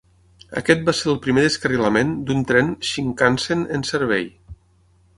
Aquest va ser el primer descarrilament d'un tren Shinkansen en servei.